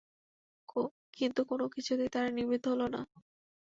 কিন্তু কোন কিছুতেই তারা নিবৃত্ত হল না।